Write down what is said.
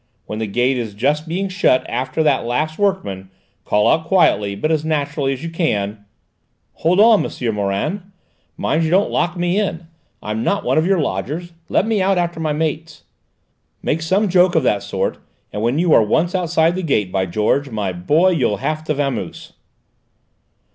When the gate is just being shut after the last workman, call out quietly, but as naturally as you can, 'Hold on, M. Morin; mind you don't lock me in; I'm not one of your lodgers; let me out after my mates.' Make some joke of that sort, and when you are once outside the gate, by George, my boy, you'll have to vamoose!"